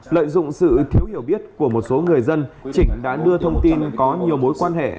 lợi dụng sự thiếu hiểu biết của một số người dân trịnh đã đưa thông tin có nhiều mối quan hệ